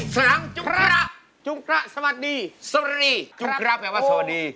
สังจุงฆะจุงฆะสวัสดีสวัสดีสวัสดีจุงฆะแปลว่าสวัสดี